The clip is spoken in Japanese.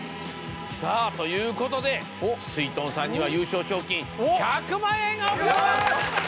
さぁということですいとんさんには優勝賞金１００万円が贈られます！